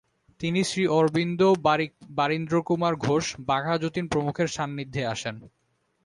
তিনি শ্রীঅরবিন্দ, বারীন্দ্রকুমার ঘোষ, বাঘা যতীন প্রমুখের সান্নিধ্যে আসেন।